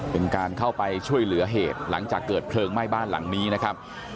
เป็นการเข้าไปช่วยเหลือเหตุหลังจากเกิดเพลิงไหม้บ้านหลังนี้นะครับ